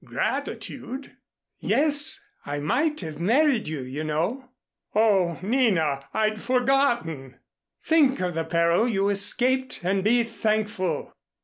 "Gratitude!" "Yes, I might have married you, you know." "Oh, Nina! I'd forgotten." "Think of the peril you escaped and be thankful!"